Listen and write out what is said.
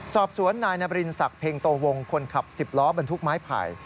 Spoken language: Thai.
สอบสวนนายนบรินศักดิ์เพ็งโตวงคนขับ๑๐ล้อบรรทุกไม้ไผ่